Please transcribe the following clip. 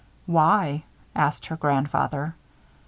"Why?" asked her grandfather.